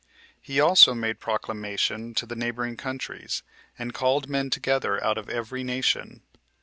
He also made proclamation to the neighboring countries, and called men together out of every nation.